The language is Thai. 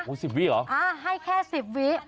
โอ้โห๑๐วิเหรออ่าให้แค่๑๐วิ